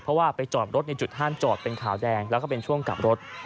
เพราะว่าไปจอดรถในจุดห้ามจอดเป็นขาวแดงแล้วก็เป็นช่วงกลับรถ